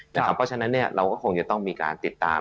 เพราะฉะนั้นเราก็คงจะต้องมีการติดตาม